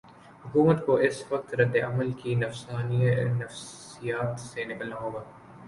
حکومت کو اس وقت رد عمل کی نفسیات سے نکلنا ہو گا۔